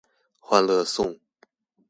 歡樂送